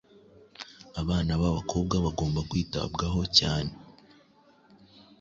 Abana b’abakobwa bagomba kwitabwaho cyane